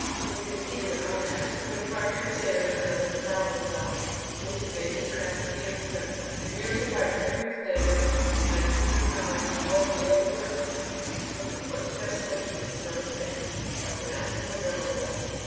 But they defeated their own ends, for twenty five years later another trial was held in which the Maid was pronounced to be innocent. And nearly five hundred years later, in 1909, Pope Leo the Thirteenth took the first step toward making her a Saint by pronouncing her "venerable."